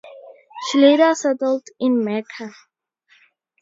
She later settled in Mecca.